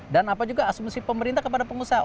dan apa juga asumsi pemerintah kepada pengusaha